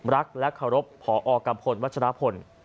รักและเคารพพอกัมพลวัชรพล